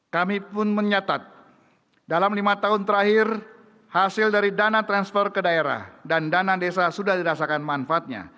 kami pun menyatat dalam lima tahun terakhir hasil dari dana transfer ke daerah dan dana desa sudah dirasakan manfaatnya